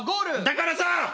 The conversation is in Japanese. だからさ！